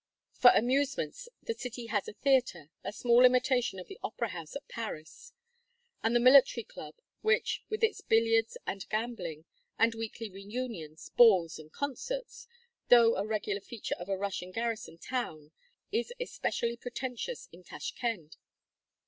For amusements, the city has a theater, a small imitation of the opera house at Paris; and the Military Club, which, with its billiards and gambling, and weekly reunions, balls, and concerts, though a regular feature of a Russian garrison town, is especially pretentious in Tashkend.